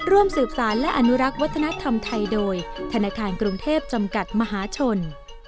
ร่วมสืบสารและอนุรักษ์วัฒนธรรมไทยโดยธนาคารกรุงเทพจำกัดมหาชน